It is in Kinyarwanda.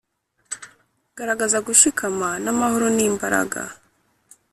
garagaza gushikama n'amahoro n'imbaraga.